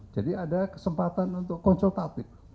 jadi ada kesempatan untuk konsultatif